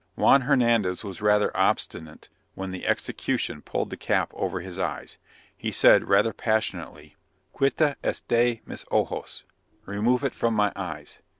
Juan Hernandez was rather obstinate when the execution pulled the cap over his eyes. He said, rather passionately "Quita is de mis ojos." (Remove it from my eyes.)